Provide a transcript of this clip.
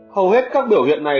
hầu hết các biểu hiện này